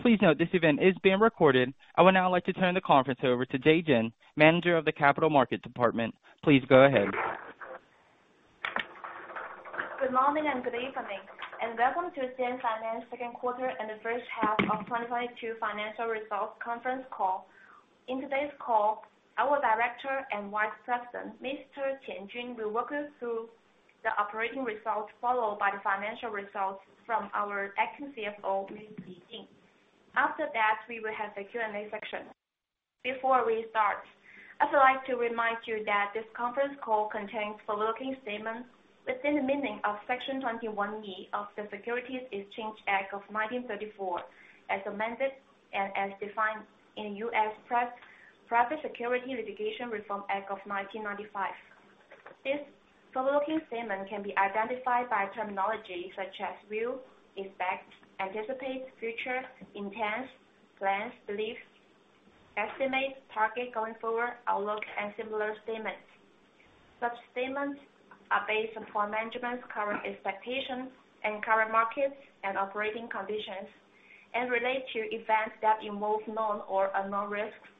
Please note this event is being recorded. I would now like to turn the conference over to Jade Jin, Manager of the Capital Markets Department. Please go ahead. Good morning and good evening, and Welcome to CNFinance Second Quarter and the First Half of 2022 Financial Results Conference Call. In today's call, our Director and Vice President, Mr. Jun Qian, will walk us through the operating results, followed by the financial results from our acting CFO, Jing Li. After that, we will have the Q&A section. Before we start, I'd like to remind you that this conference call contains forward-looking statements within the meaning of Section 21E of the Securities Exchange Act of 1934, as amended, and as defined in U.S. Private Securities Litigation Reform Act of 1995. This forward-looking statement can be identified by terminology such as will, expect, anticipate, future, intend, plans, belief, estimate, target, going forward, outlook, and similar statements. Such statements are based upon management's current expectations and current markets and operating conditions, and relate to events that involve known or unknown risks,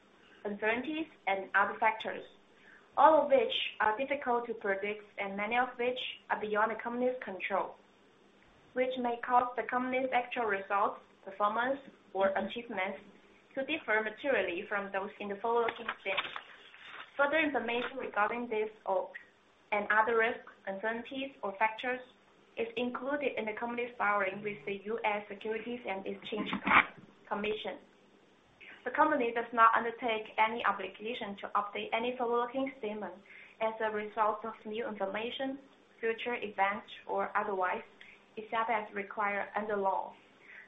uncertainties, and other factors, all of which are difficult to predict, and many of which are beyond the company's control, which may cause the company's actual results, performance or achievements to differ materially from those in the forward-looking statements. Further information regarding these and other risks, uncertainties or factors is included in the company's filing with the U.S. Securities and Exchange Commission. The company does not undertake any obligation to update any forward-looking statement as a result of new information, future events, or otherwise, except as required under law.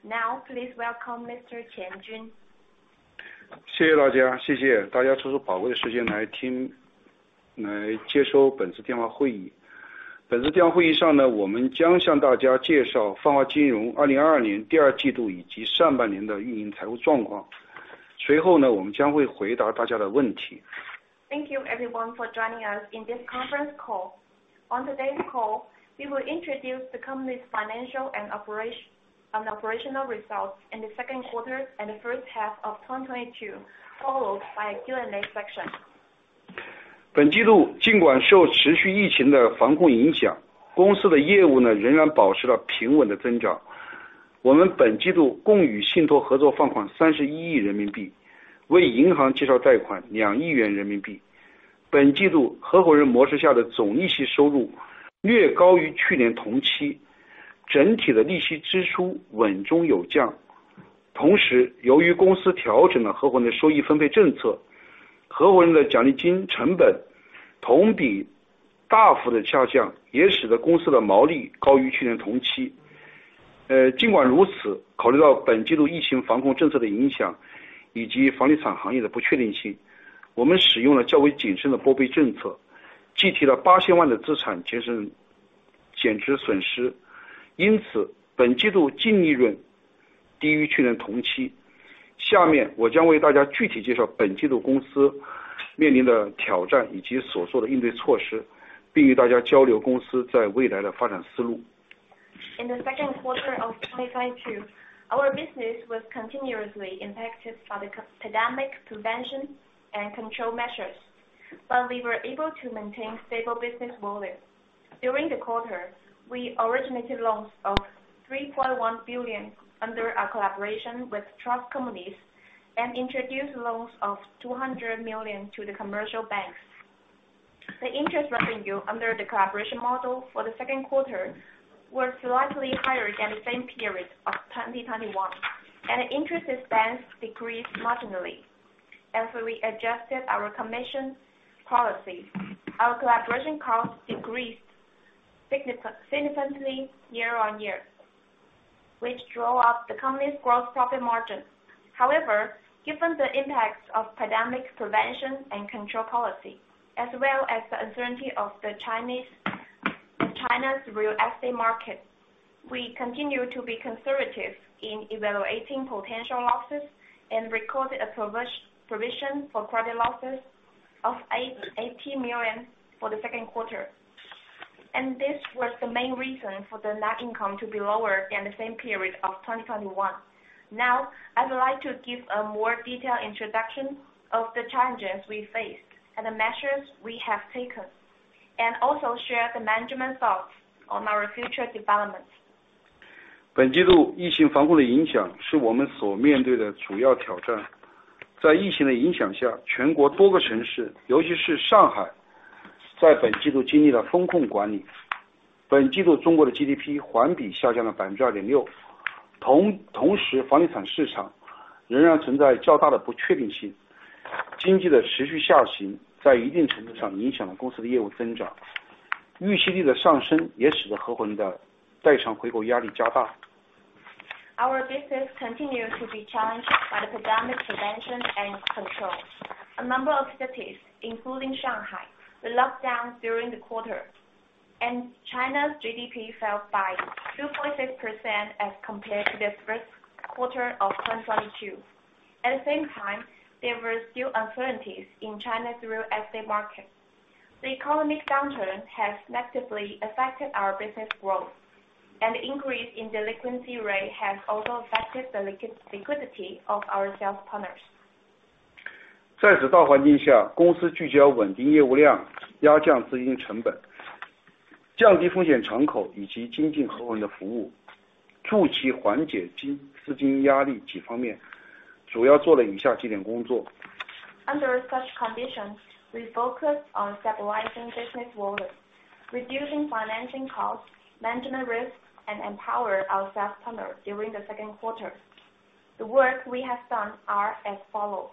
Now, please welcome Mr. Jun Qian. Thank you everyone for joining us in this conference call. On today's call, we will introduce the company's financial and operational results in the 2nd quarter and the 1st half of 2022, followed by a Q&A section. In the 2nd quarter of 2022, our business was continuously impacted by the pandemic prevention and control measures, but we were able to maintain stable business volume. During the quarter, we originated loans of 3.1 billion under our collaboration with trust companies and introduced loans of 200 million to the commercial banks. The interest revenue under the collaboration model for the 2nd quarter were slightly higher than the same period of 2021, and interest expense decreased marginally. After we adjusted our commission policy, our collaboration costs decreased significantly year on year, which drove up the company's gross profit margin. However, given the impacts of pandemic prevention and control policy, as well as the uncertainty of China's real estate market, we continue to be conservative in evaluating potential losses and recorded a provision for credit losses of 80 million for the 2nd quarter. This was the main reason for the net income to be lower than the same period of 2021. Now, I would like to give a more detailed introduction of the challenges we faced and the measures we have taken, and also share the management thoughts on our future development. Our business continues to be challenged by the pandemic prevention and control. A number of cities, including Shanghai, were locked down during the quarter, and China's GDP fell by 2.6% as compared to the 1st quarter of 2022. At the same time, there were still uncertainties in China's real estate market. The economic downturn has negatively affected our business growth, and the increase in delinquency rate has also affected the liquidity of our sales partners. 在此大环境下，公司聚焦稳定业务量，压降资金成本，降低风险敞口，以及精进合伙人的服务，助其缓解资金压力几方面，主要做了以下几点工作。Under such conditions, we focused on stabilizing business volume, reducing financing costs, managing risks, and empower our sales partners during the 2nd quarter. The work we have done are as follows.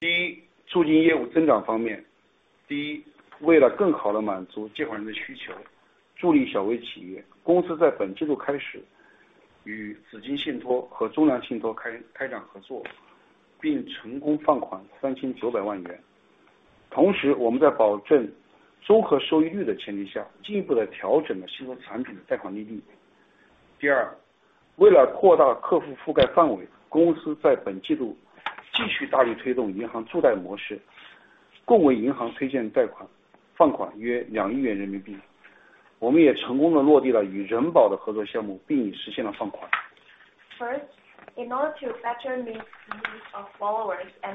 第一，促进业务增长方面。第一，为了更好地满足借款人的需求，助力小微企业，公司在本季度开始与紫金信托和中粮信托开展合作，并成功放款3,900万元。同时我们在保证综合收益率的前提下，进一步地调整了现有产品的贷款利率。第二，为了扩大客户覆盖范围，公司在本季度继续大力推动银行助贷模式，共为银行推荐贷款放款约2亿元人民币。我们也成功地落地了与人保的合作项目，并已实现了放款。First, in order to better meet the needs of borrowers and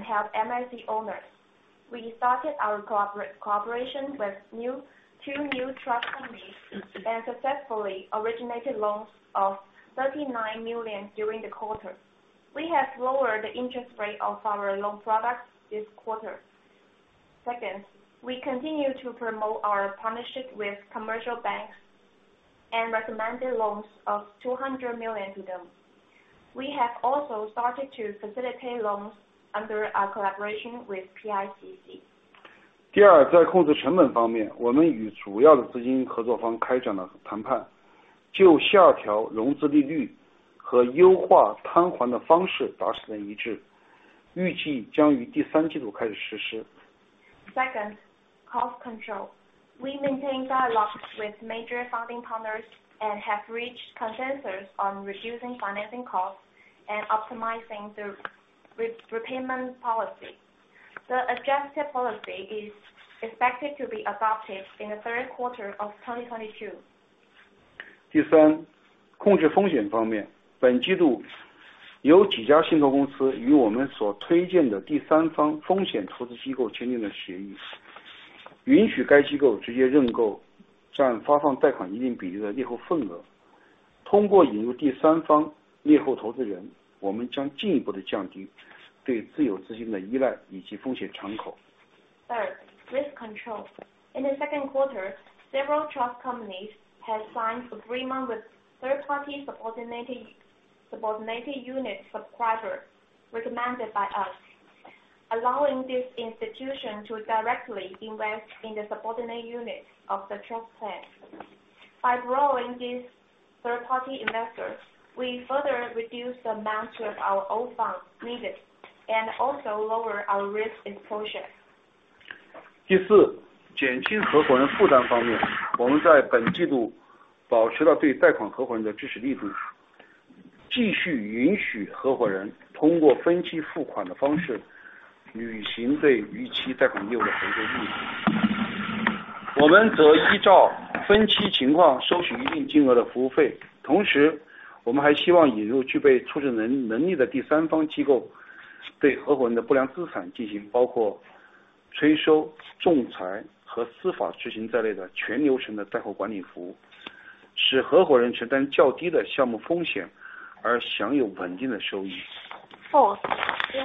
help MSME owners, we started our collaboration with two new trust companies and successfully originated loans of 39 million during the quarter. We have lowered the interest rate of our loan products this quarter. Second, we continue to promote our partnership with commercial banks and recommended loans of 200 million to them. We have also started to Philippine loans under our collaboration with PICC. 第二，在控制成本方面，我们与主要的资金合作方开展了谈判，就下调融资利率和优化摊还的方式达成了一致，预计将于第三季度开始实施。Second, cost control. We maintain dialogue with major funding partners and have reached consensus on reducing financing costs and optimizing the repayment policy. The adjusted policy is expected to be adopted in the 3rd quarter of 2022. 第三，控制风险方面。本季度有几家信托公司与我们所推荐的第三方风险投资机构签订了协议，允许该机构直接认购占发放贷款一定比例的劣后份额。通过引入第三方劣后投资人，我们将进一步地降低对自有资金的依赖以及风险敞口。Third, risk control. In the 2nd quarter, several trust companies had signed agreement with 3rd-party subordinated unit subscribers recommended by us, allowing this institution to directly invest in the subordinate unit of the trust plan. By growing these 3rd-party investors, we further reduce the amount of our own funds needed and also lower our risk exposure. 第四，减轻合伙人负担方面，我们在本季度保持了对贷款合伙人的支持力度，继续允许合伙人通过分期付款的方式履行对逾期贷款业务的核销义务。我们则依照分期情况收取一定金额的服务费。同时，我们还希望引入具备处置能力的第三方机构，对合伙人的不良资产进行包括催收、仲裁和司法执行在内的全流程的债务管理服务，使合伙人承担较低的项目风险，而享有稳定的收益。Fourth, in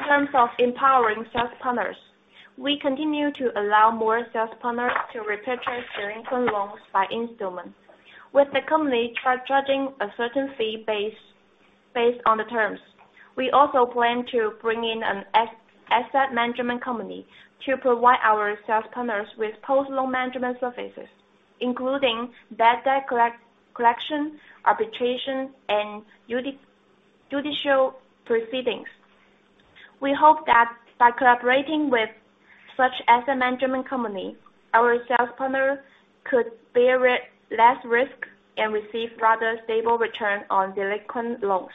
terms of empowering sales partners, we continue to allow more sales partners to repay their delinquent loans by installments, with the company charging a certain fee based on the terms. We also plan to bring in an asset management company to provide our sales partners with post-loan management services, including data collection, arbitration, and judicial proceedings. We hope that by collaborating with such asset management company, our sales partner could bear less risk and receive rather stable return on delinquent loans.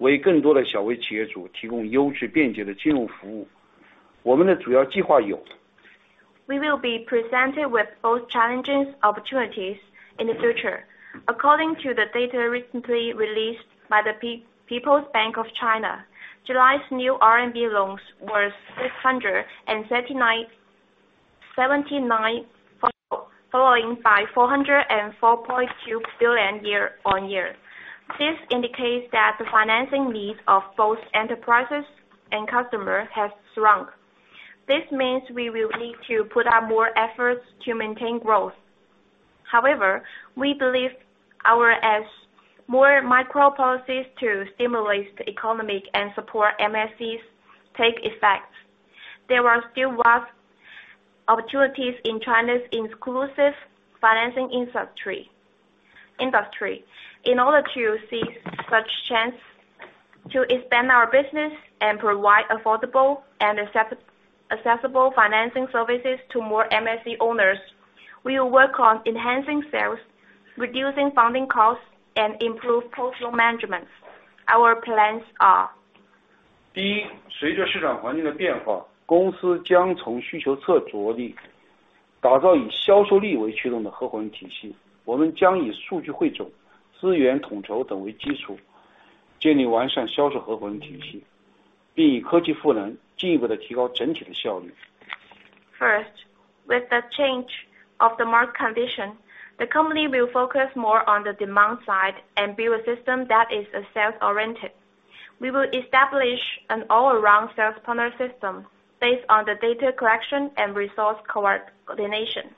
We will be presented with both challenges and opportunities in the future. According to the data recently released by the People's Bank of China, July's new RMB loans were 639 billion followed by 404.2 billion year-on-year. This indicates that the financing needs of both enterprises and customers has shrunk. This means we will need to put up more efforts to maintain growth. However, we believe as more macro policies to stimulate the economy and support MSEs take effect. There are still vast opportunities in China's inclusive financing industry. In order to seize such chance to expand our business and provide affordable and accessible financing services to more MSE owners, we will work on enhancing sales, reducing funding costs, and improve portfolio management. Our plans are. First, with the change of the market condition, the company will focus more on the demand side and build a system that is sales-oriented. We will establish an all-around sales partner system based on the data collection and resource coordination,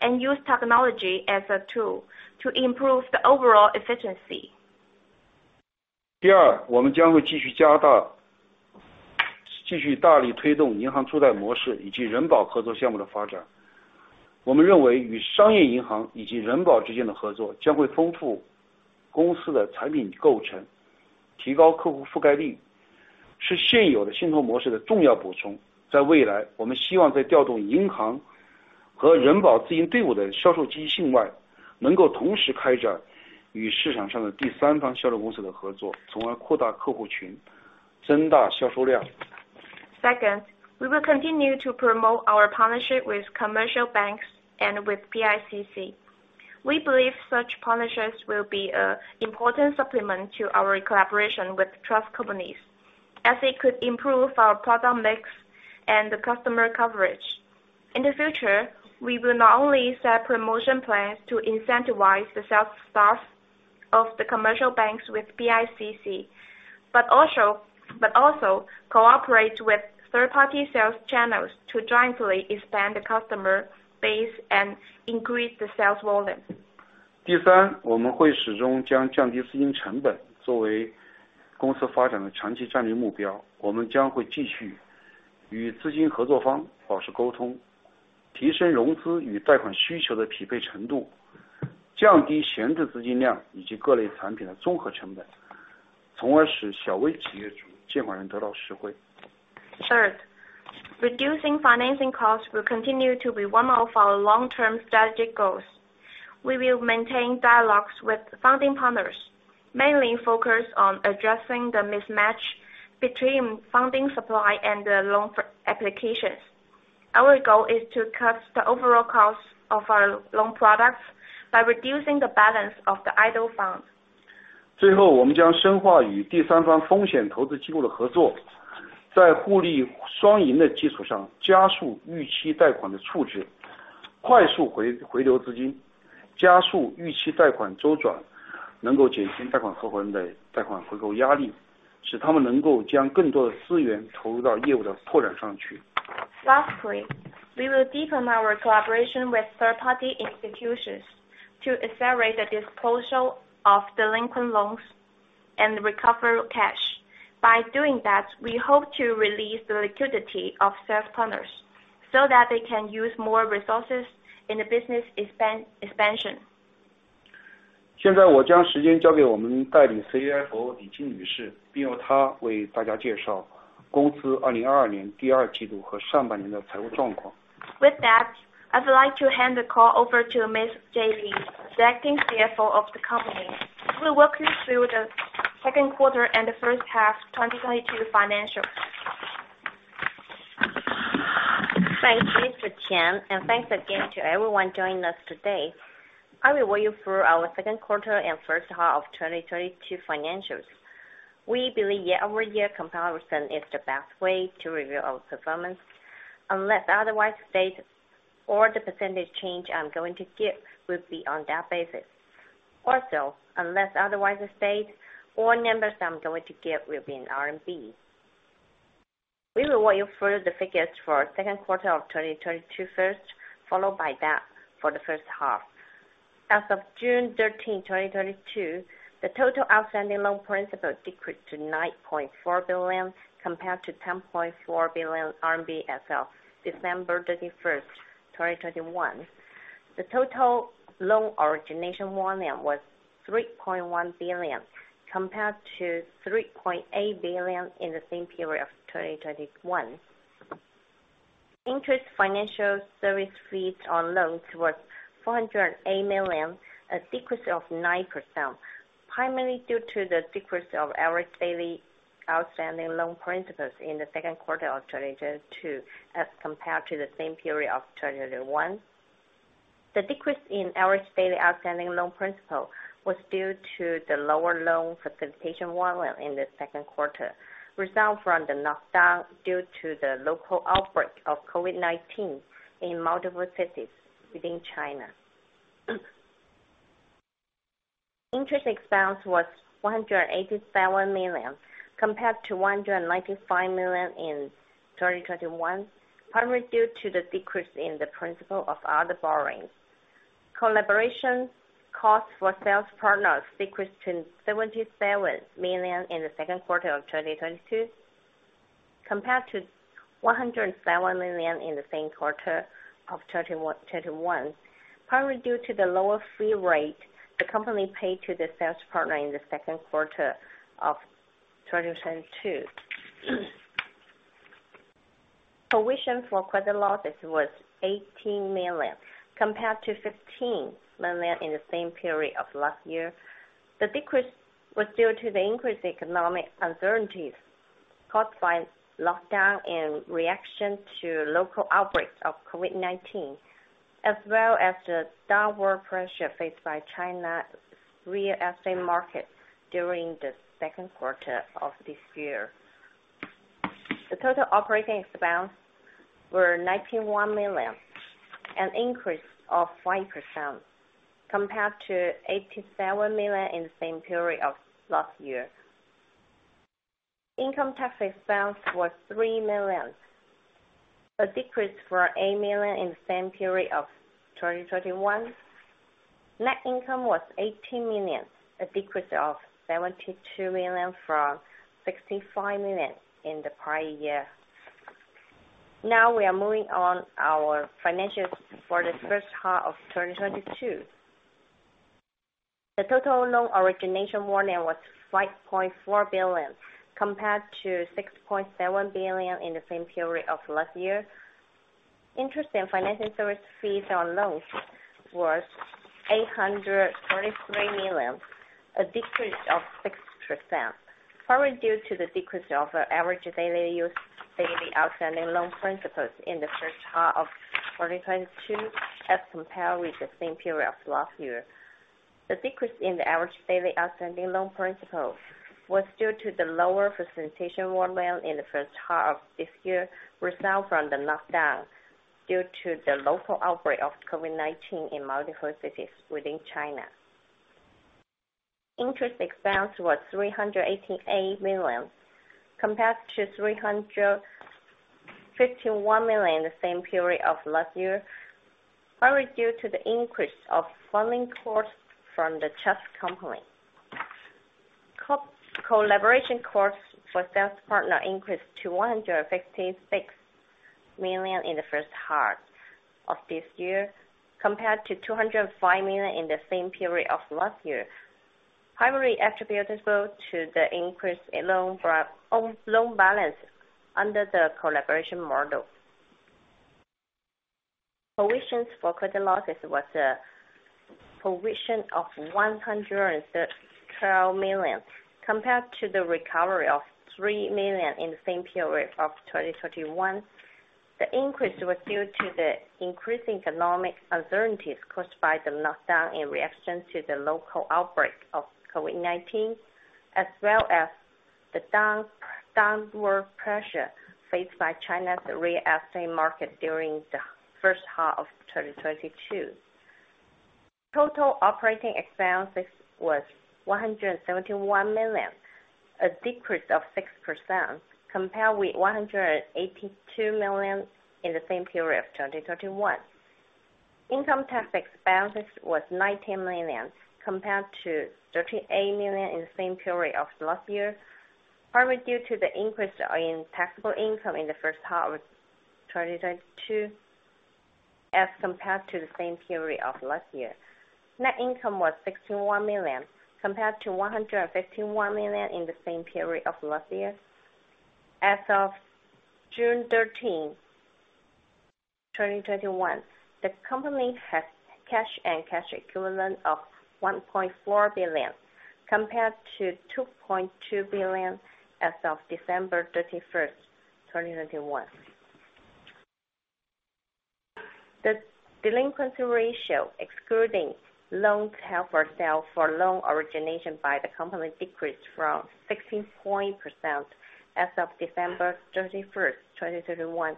and use technology as a tool to improve the overall efficiency. Second, we will continue to promote our partnership with commercial banks and with PICC. We believe such partnerships will be, important supplement to our collaboration with trust companies, as they could improve our product mix and the customer coverage. In the future, we will not only set promotion plans to incentivize the sales staff of the commercial banks with PICC, but also cooperate with 3rd-party sales channels to jointly expand the customer base and increase the sales volume. Third, reducing financing costs will continue to be one of our long-term strategic goals. We will maintain dialogues with funding partners, mainly focused on addressing the mismatch between funding supply and the loan applications. Our goal is to cut the overall cost of our loan products by reducing the balance of the idle funds. Lastly, we will deepen our collaboration with 3rd-party institutions to accelerate the disposal of delinquent loans and recover cash. By doing that, we hope to release the liquidity of sales partners so that they can use more resources in the business expansion. With that, I'd like to hand the call over to Ms. Jing Li, the Acting CFO of the company, who will walk you through the 2nd quarter and the 1st half 2022 financial. Thanks, Mr. Qian, and thanks again to everyone joining us today. I'll walk you through our 2nd quarter and 1st half 2022 financials. We believe year-over-year comparison is the best way to review our performance. Unless otherwise stated, all the percentage change I'm going to give will be on that basis. Also, unless otherwise stated, all numbers I'm going to give will be in RMB. We will walk you through the figures for 2nd quarter of 2022 1st, followed by that for the 1st half. As of June 30th, 2022, the total outstanding loan principal decreased to 9.4 billion compared to 10.4 billion RMB as of December 31st, 2021. The total loan origination volume was 3.1 billion, compared to 3.8 billion in the same period of 2021. Interest and financing service fees on loans was 408 million, a decrease of 9%, primarily due to the decrease of average daily outstanding loan principal in the 2nd quarter of 2022 as compared to the same period of 2021. The decrease in average daily outstanding loan principal was due to the lower loan facilitation volume in the 2nd quarter, resulting from the lockdown due to the local outbreak of COVID-19 in multiple cities within China. Interest expense was 187 million, compared to 195 million in 2021, primarily due to the decrease in the principal of other borrowings. Collaboration costs for sales partners decreased to 77 million in the 2nd quarter of 2022, compared to 107 million in the same quarter of 2021, primarily due to the lower fee rate the company paid to the sales partner in the 2nd quarter of 2022. Provision for credit losses was 18 million, compared to 15 million in the same period of last year. The decrease was due to the increased economic uncertainties caused by lockdown in reaction to local outbreaks of COVID-19, as well as the downward pressure faced by China's real estate market during the 2nd quarter of this year. The total operating expense were 91 million, an increase of 5% compared to 87 million in the same period of last year. Income tax expense was 3 million, a decrease from 8 million in the same period of 2021. Net income was 18 million, a decrease of 72 million from 65 million in the prior year. Now we are moving on our financials for the 1st half of 2022. The total loan origination volume was 5.4 billion, compared to 6.7 billion in the same period of last year. Interest and financing service fees on loans was 833 million, a decrease of 6%, primarily due to the decrease of our average daily outstanding loan principal in the 1st half of 2022 as compared with the same period of last year. The decrease in the average daily outstanding loan principal was due to the lower facilitation volume in the 1st half of this year, resulting from the lockdown due to the local outbreak of COVID-19 in multiple cities within China. Interest expense was 388 million, compared to 351 million in the same period of last year, primarily due to the increase of funding costs from the trust company. Collaboration costs for sales partner increased to 156 million in the 1st half of this year, compared to 205 million in the same period of last year. Primarily attributable to the increase in loan balance under the collaboration model. Provisions for credit losses was a provision of 112 million, compared to the recovery of 3 million in the same period of 2021. The increase was due to the increasing economic uncertainties caused by the lockdown in reaction to the local outbreak of COVID-19, as well as the downward pressure faced by China's real estate market during the 1st half of 2022. Total operating expenses was 171 million, a decrease of 6% compared with 182 million in the same period of 2021. Income tax expenses was 19 million, compared to 38 million in the same period of last year, primarily due to the increase in taxable income in the 1st half of 2022 as compared to the same period of last year. Net income was CNY 61 million, compared to CNY 151 million in the same period of last year. As of June 30th, 2022, the company has cash and cash equivalents of 1.4 billion, compared to 2.2 billion as of December 31st, 2021. The delinquency ratio, excluding loans held for sale for loan origination by the company, decreased from 16% as of December 31st, 2021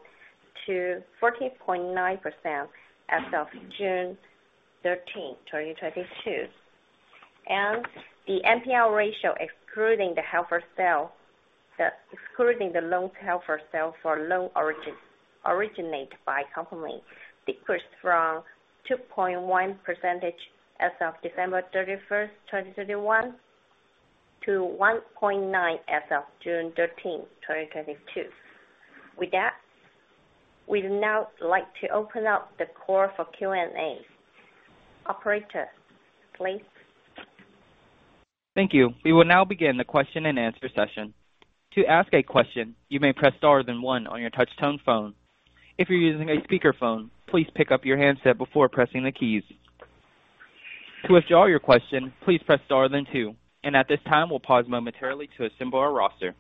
to 14.9% as of June 30th, 2022. The NPL ratio, excluding the loans held for sale for loan originated by company, decreased from 2.1% as of December 31st, 2021 to 1.9% as of June 30th, 2022. With that, we'd now like to open up the call for Q&A. Operator, please. Thank you. We will now begin the question-and-answer session. To ask a question, you may press star then one on your touch-tone phone. If you're using a speakerphone, please pick up your handset before pressing the keys. To withdraw your question, please press star then two. At this time, we'll pause momentarily to assemble our roster.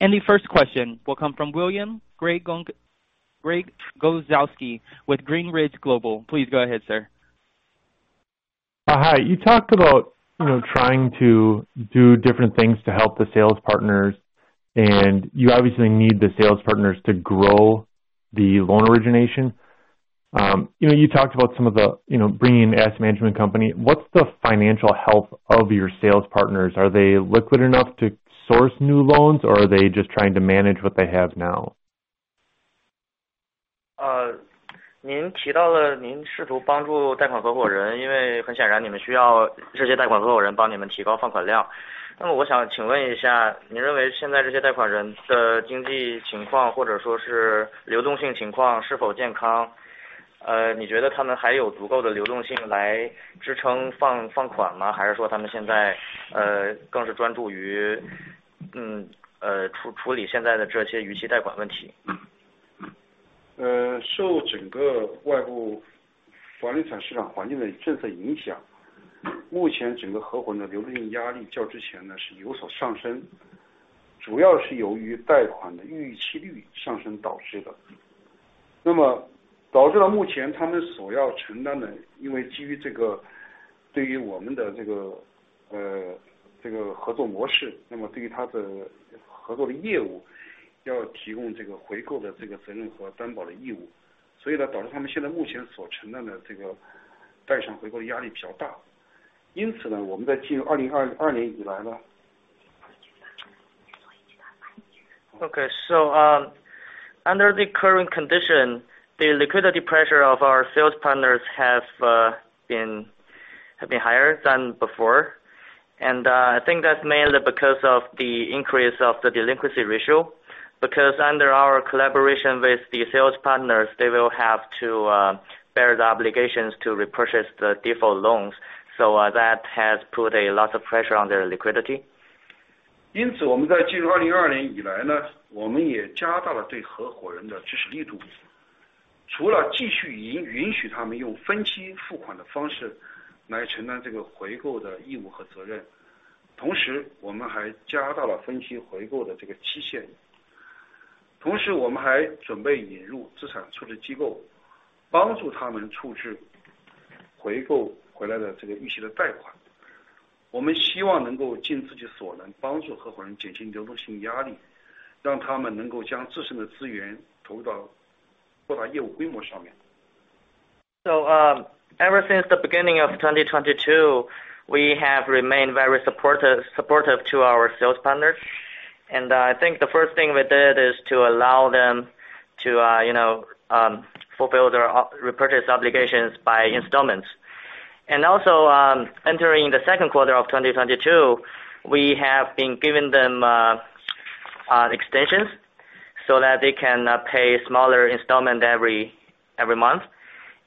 The 1st question will come from William Gregozeski with Greenridge Global. Please go ahead, sir. Hi. You talked about, you know, trying to do different things to help the sales partners, and you obviously need the sales partners to grow the loan origination. You know, you talked about some of the, you know, bringing in asset management company. What's the financial health of your sales partners? Are they liquid enough to source new loans or are they just trying to manage what they have now? Okay. Under the current condition, the liquidity pressure of our sales partners have been higher than before. I think that's mainly because of the increase of the delinquency ratio. Because under our collaboration with the sales partners, they will have to bear the obligations to repurchase the default loans. That has put a lot of pressure on their liquidity. Ever since the beginning of 2022, we have remained very supportive to our sales partners. I think the 1st thing we did is to allow them to you know fulfill their repurchase obligations by installments. Also, entering the 2nd quarter of 2022, we have been giving them extensions so that they can pay smaller installment every month.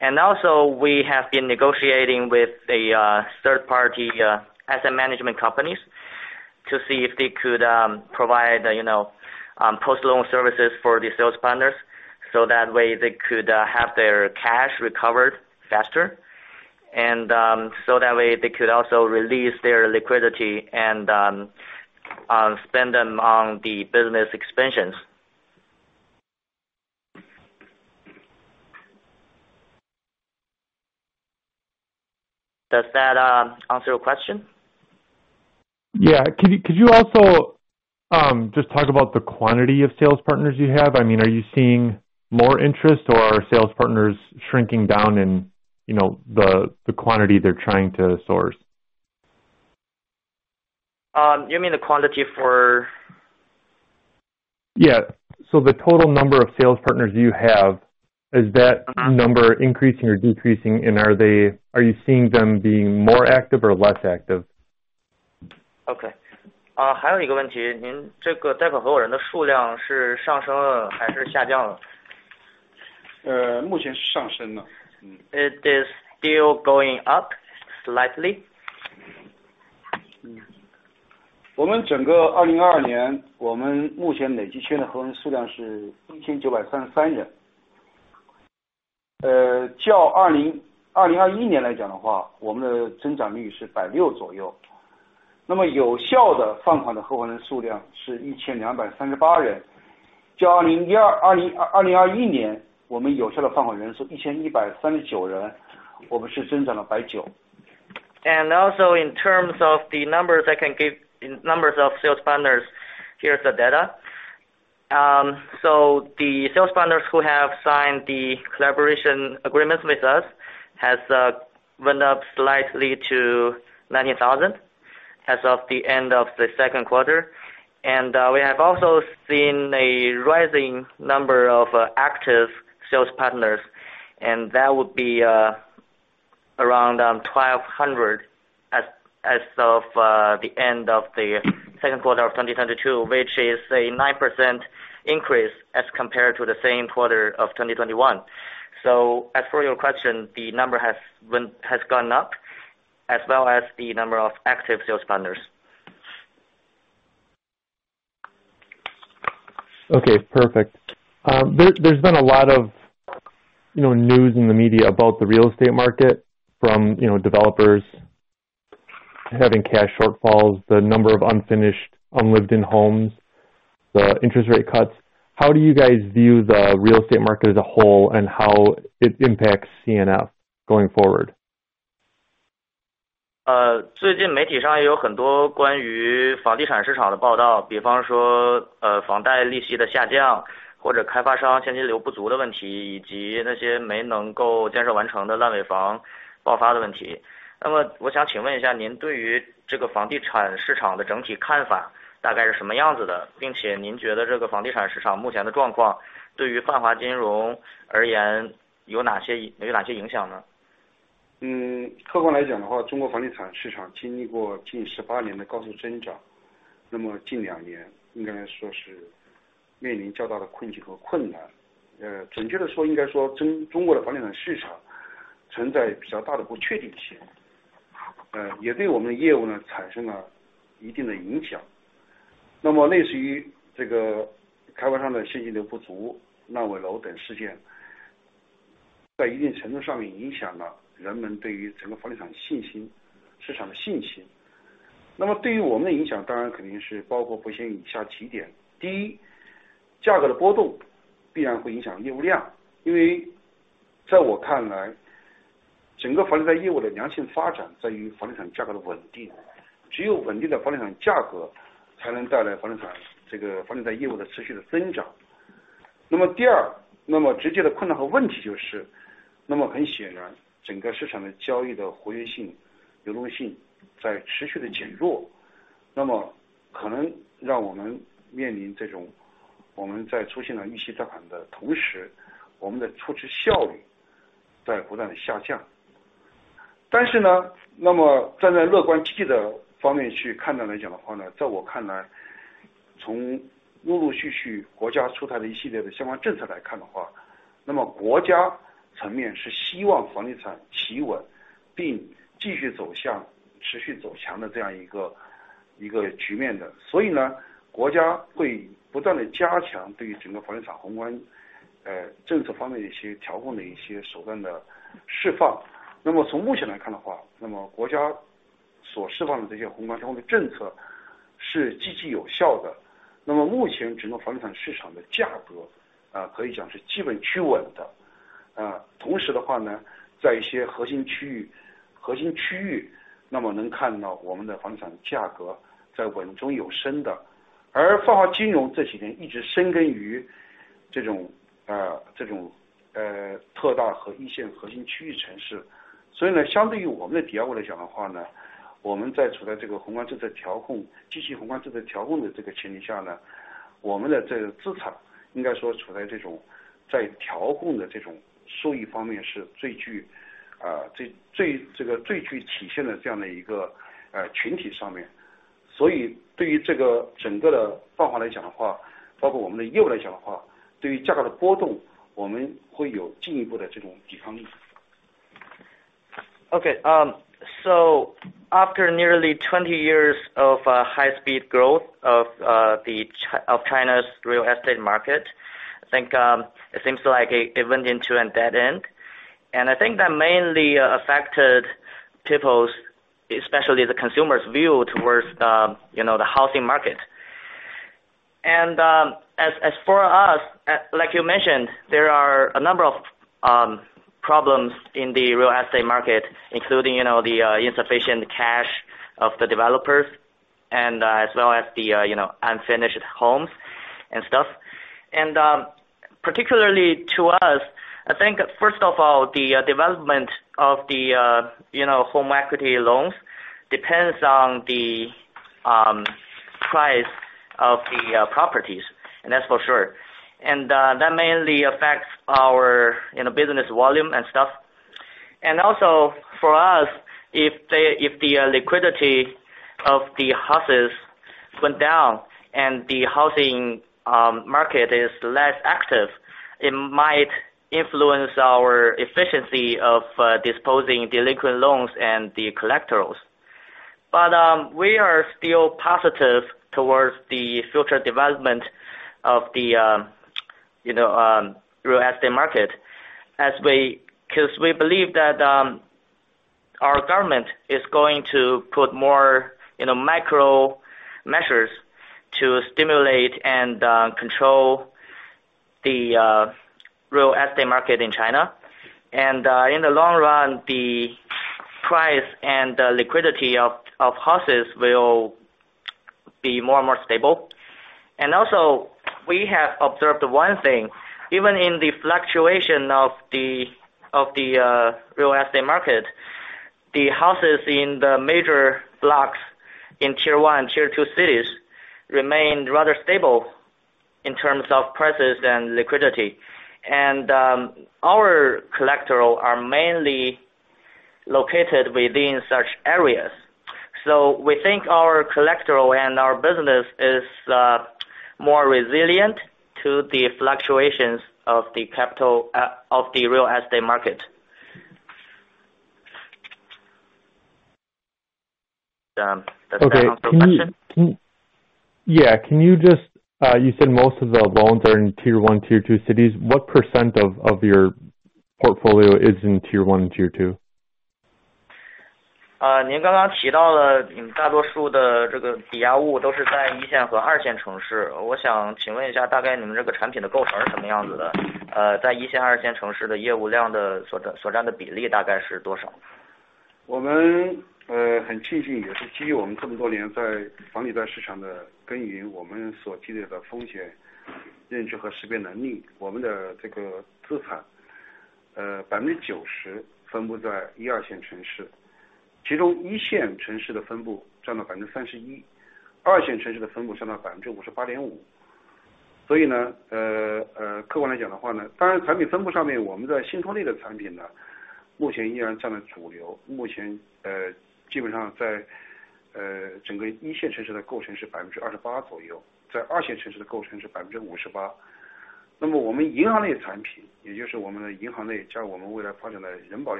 Also we have been negotiating with a 3rd party asset management companies to see if they could provide, you know, post loan services for the sales partners, so that way they could have their cash recovered faster and so that way they could also release their liquidity and spend them on the business expansions. Does that answer your question? Yeah. Could you also just talk about the quantity of sales partners you have? I mean, are you seeing more interest or are sales partners shrinking down and, you know, the quantity they're trying to source? You mean the quantity for. Yeah. The total number of sales partners you have, is that- Uh-huh. Number increasing or decreasing? And are you seeing them being more active or less active? Okay. It is still going up slightly. Also in terms of the numbers I can give, numbers of sales partners, here's the data. The sales partners who have signed the collaboration agreements with us has went up slightly to 90,000 as of the end of the 2nd quarter. We have also seen a rising number of active sales partners, and that would be around 1,200 as of the end of the 2nd quarter of 2022, which is a 9% increase as compared to the same quarter of 2021. As for your question, the number has gone up as well as the number of active sales partners. Okay, perfect. There's been a lot of, you know, news in the media about the real estate market from developers having cash shortfalls, the number of unfinished unlived-in homes, the interest rate cuts. How do you guys view the real estate market as a whole and how it impacts CNF going forward? Okay, after nearly 20 years of high speed growth of China's real estate market, I think it seems like it went into a dead end. I think that mainly affected people's, especially the consumer's view towards, you know, the housing market. As for us, like you mentioned, there are a number of problems in the real estate market, including, you know, the insufficient cash of the developers and as well as the, you know, unfinished homes and stuff. Particularly to us, I think 1st of all, the development of the, you know, home equity loans depends on the price of the properties, and that's for sure. That mainly affects our, you know, business volume and stuff. Also for us, if the liquidity of the houses went down and the housing market is less active, it might influence our efficiency of disposing delinquent loans and the collectibles. We are still positive towards the future development of the you know real estate market 'cause we believe that our government is going to put more you know macro measures to stimulate and control the real estate market in China. In the long run, the price and the liquidity of houses will be more and more stable. We have also observed one thing, even in the fluctuation of the real estate market, the houses in the major blocks in Tier 1 and Tier 2 cities remained rather stable in terms of prices and liquidity. Our collateral are mainly located within such areas. We think our collateral and our business is more resilient to the fluctuations of the capital of the real estate market. Does that answer your question? Yeah. Can you just, you said most of the loans are in Tier 1, Tier 2 cities. What percent of your portfolio is in Q1 and Q2? 您刚刚提到了你们大多数的这个抵押物都是在一线和二线城市，我想请问一下，大概你们这个产品的构成是什么样子的？在一线二线城市的业务量所占的比例大概是多少？ 我们很庆幸，也是基于我们这么多年在房抵贷市场的耕耘，我们所积累的风险认知和识别能力，我们的这个资产，90%分布在一二线城市，其中一线城市的分布占了31%，二线城市的分布占了58.5%。客观来讲的话，当然产品分布上面，我们的信托类的产品目前依然占了主流，目前基本上在整个一线城市的构成是28%左右，在二线城市的构成是58%。那么我们银行类产品，也就是我们的银行类加我们未来发展的人保类产品，我们目前按照发生额来算的话，我们在整个一线的占比是6.7%，在二线的占比是69.4%。We are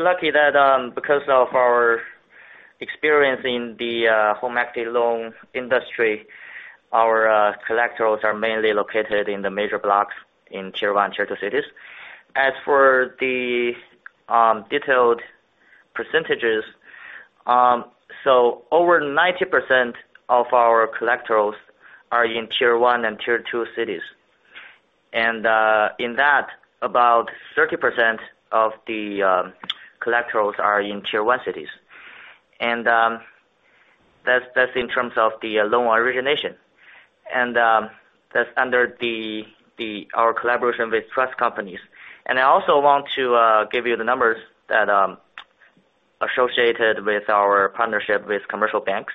lucky that because of our experience in the home equity loan industry, our collaterals are mainly located in the major blocks in Tier 1, Tier 2 cities. As for the detailed percentages, over 90% of our collaterals are in Tier 1 and Tier 2 cities. In that, about 30% of the collaterals are in Tier 1 cities. That's in terms of the loan origination. That's under our collaboration with trust companies. I also want to give you the numbers that associated with our partnership with commercial banks.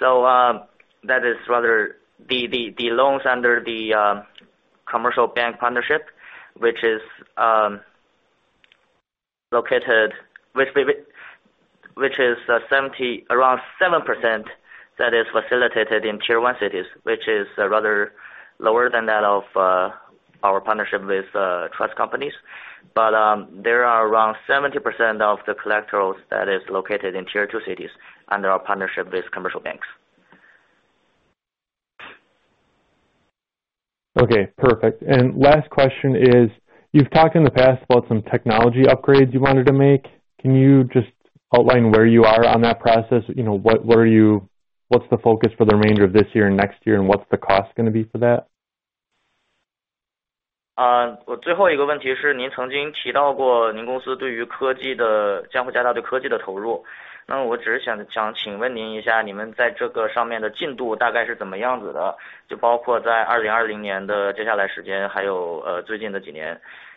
That is rather the loans under the commercial bank partnership, which is around 7% that is facilitated in Tier 1 cities, which is rather lower than that of our partnership with trust companies. There are around 70% of the collaterals that is located in Tier 2 cities under our partnership with commercial banks. Okay, perfect. Last question is, you've talked in the past about some technology upgrades you wanted to make. Can you just outline where you are on that process? You know, what's the focus for the remainder of this year and next year, and what's the cost going to be for that? 我最后一个问题是，您曾经提到过您公司对于科技的——将会加大对科技的投入，那么我只是想请问您一下，你们在这个上面的进度大概是怎么样子的？就包括在2020年的接下来时间，还有最近的几年。然后也想请您介绍一下相关的成本和花销大概是什么构成、什么样子。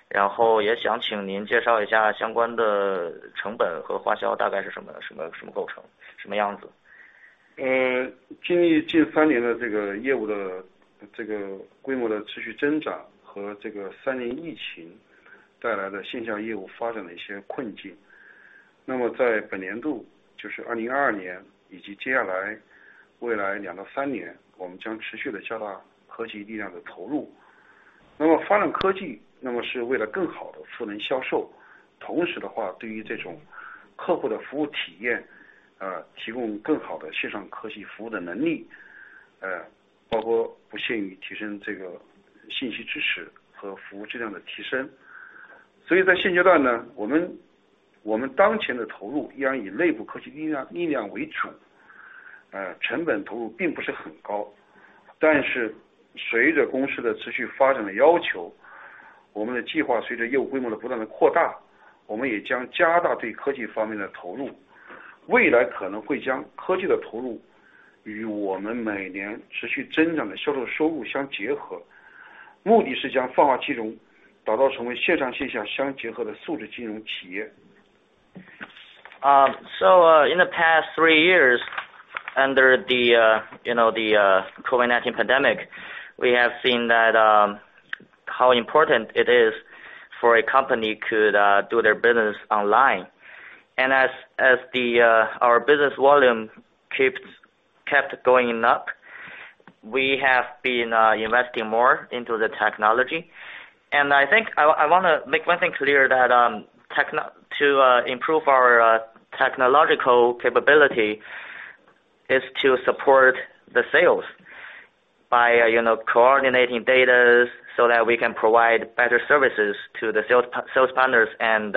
In the past three years, under you know the COVID-19 pandemic, we have seen how important it is for a company to do their business online. As our business volume kept going up, we have been investing more into the technology. I think I wanna make one thing clear that to improve our technological capability is to support the sales by you know coordinating data so that we can provide better services to the sales partners and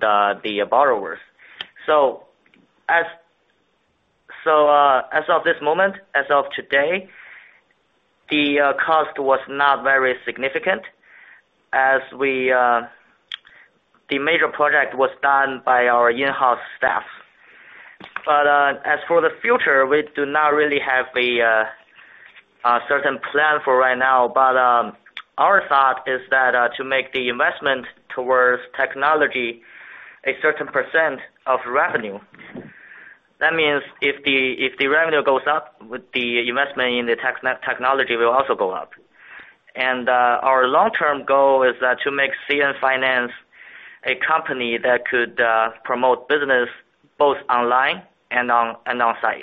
the borrowers. As of this moment, as of today, the cost was not very significant as the major project was done by our in-house staff. As for the future, we do not really have a certain plan for right now. Our thought is that to make the investment towards technology a certain percent of revenue. That means if the revenue goes up, with the investment in the technology will also go up. Our long-term goal is to make CNFinance a company that could promote business both online and onsite.